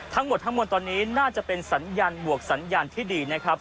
ทั้งหมดทั้งมวลตอนนี้น่าจะเป็นสัญญาณบวกสัญญาณที่ดีนะครับ